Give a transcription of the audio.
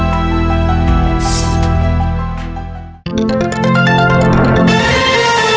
จะได้โบนัสกลับไปบ้านเท่าไร